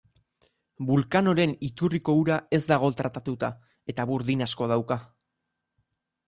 Vulcanoren iturriko ura ez dago tratatuta, eta burdin asko dauka.